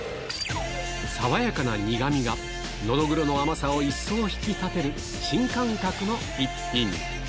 爽やかな苦みが、ノドグロの甘さを一層引き立てる、新感覚の一品。